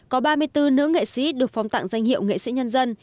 có ba mươi bốn nữ nghệ sĩ được phong tặng danh hiệu nghệ sĩ nhân dân